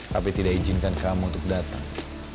tapi tidak izinkan kamu untuk datang